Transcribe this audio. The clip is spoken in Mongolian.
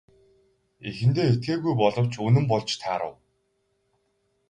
Эхэндээ итгээгүй боловч үнэн болж таарав.